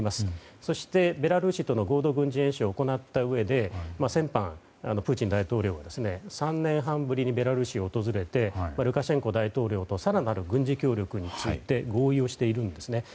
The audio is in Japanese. そしてベラルーシとの合同軍事演習を行ったうえで先般、プーチン大統領は３年半ぶりにベラルーシを訪れてルカシェンコ大統領と更なる軍事協力について合意をしているんですね。